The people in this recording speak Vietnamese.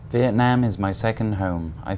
việt nam là nhà của tôi thứ hai